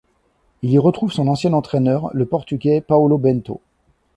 Il y retrouve son ancien entraîneur, le portugais Paulo Bento.